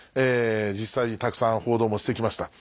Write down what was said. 実際にたくさん報道もして来ました。